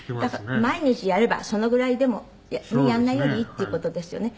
毎日やればそのぐらいでもやらないよりいいっていう事ですよね。